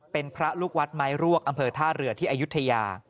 เป็นพระลูกวัดไม้รวกอำเภอท่าเรือที่อายุทยา